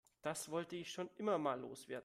Das wollte ich schon immer mal loswerden.